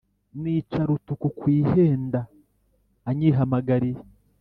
nica rutuku ku ihenda anyihamagariye.